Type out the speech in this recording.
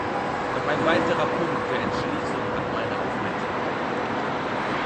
Noch ein weiterer Punkt der Entschließung hat meine Aufmerksamkeit erregt.